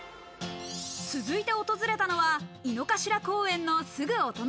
続いて訪れたのは井の頭公園のすぐお隣。